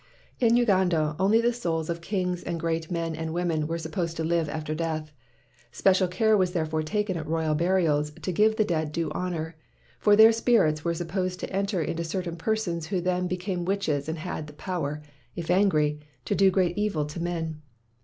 In Uganda, only the souls of kings and great men and women were supposed to live after death. Special care was there fore taken at royal burials to give the dead due honor; for their spirits were supposed to enter into certain persons who then be came witches and had the power, if angry, to do great evil to men.